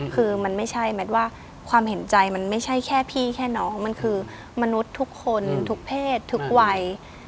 คือมันไม่ใช่แมทว่าความเห็นใจมันไม่ใช่แค่พี่แค่น้องมันคือมนุษย์ทุกคนทุกเพศทุกวัย